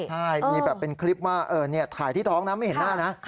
ใช่มีแบบเป็นคลิปว่าถ่ายที่ท้องนะไม่เห็นหน้านะ